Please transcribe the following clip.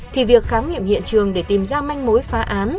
thì việc khám nghiệm hiện trường để tìm ra manh mối phá án